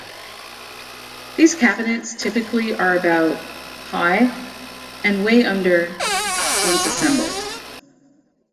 These cabinets typically are about high and weigh under once assembled.